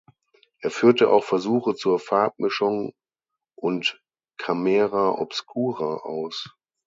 Er führte auch Versuche zur Farbmischung und Camera Obscura aus.